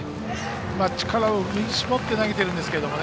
力を振り絞って投げているんですけどもね。